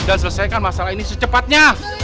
dan selesaikan masalah ini secepatnya